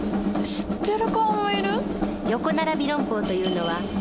知ってる顔もいる？